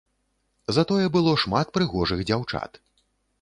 Затое было шмат прыгожых дзяўчат.